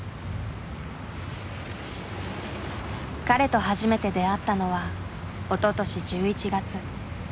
彼と初めて出会ったのはおととし１１月。